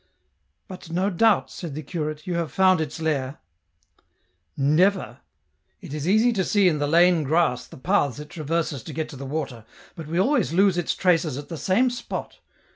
" But, no doubt," said the curate, "you have found its lair ?"" Never ; it is easy to see in the lain grass the paths it traverses to get to the water, but we always lose its traces at the same spot.